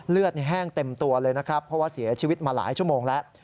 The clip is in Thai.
เลือดแห้งเต็มตัวเลยเพราะเสียชีวิตมาหลายชั่วโมงแล้ว